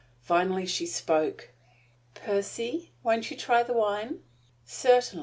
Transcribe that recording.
Finally she spoke. "Percy, won't you try the wine?" "Certainly.